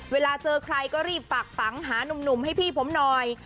เวลาเจอใครก็รีบฝากฝังหานุ่มให้พี่ผมหน่อย